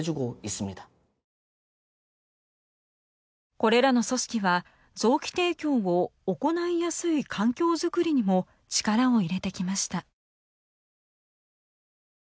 これらの組織は臓器提供を行いやすい環境づくりにも力を入れてきました。